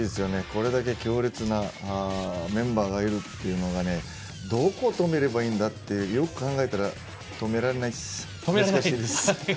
これだけ強烈なメンバーがいるというのはねどこを止めればいいんだとよく考えたら止められないです。